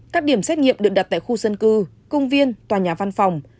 các điểm xét nghiệm được đặt tại khu dân cư công viên tòa nhà văn phòng